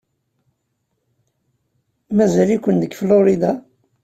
Mazal-iken deg Florida?